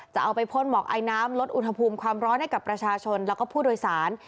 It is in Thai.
จะเอาไปพ่นหมอกไอน้ำลดอุณหภูมิความร้อนให้กับประชาชนแล้วก็ผู้โดยสาร